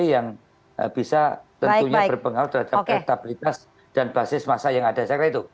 yang bisa tentunya berpengaruh terhadap rentabilitas dan basis masa yang ada sekedar itu